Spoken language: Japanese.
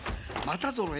またぞろ